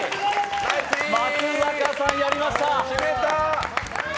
松坂さん、やりました！